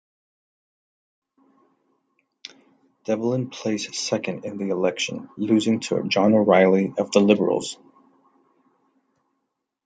Devolin placed second in the election, losing to John O'Reilly of the Liberals.